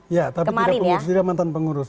ya tapi tidak pengurus tidak mantan pengurus